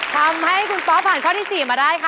ทำให้คุณป๊อปผ่านข้อที่๔มาได้ค่ะ